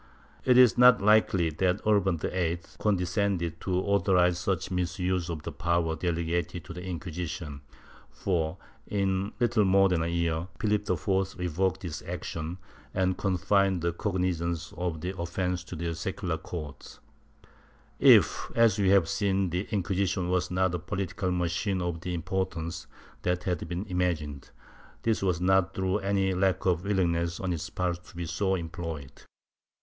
It is not likely that Urban VIII condescended to authorize such misuse of the power delegated to the Inquisition for, in little more than a year, Phihp IV revoked this action and confined the cognizance of the offence to the secular courts.^ If, as we have seen, the Inquisition was not a political machine of the importance that has been imagined, this was not through any lack of willingness on its part to be so employed.